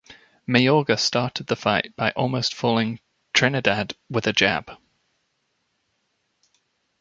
Mayorga started the fight by almost falling Trinidad with a jab.